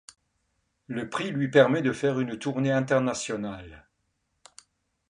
Le prix lui permet de faire une tournée internationale.